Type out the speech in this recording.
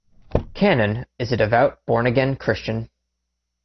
Cannon is a devout born again Christian.